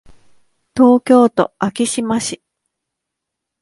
東京都昭島市